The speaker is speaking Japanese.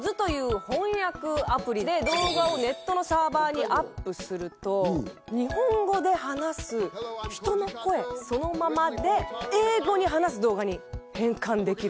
で動画をネットのサーバーにアップすると日本語で話す人の声そのままで英語に話す動画に変換できる。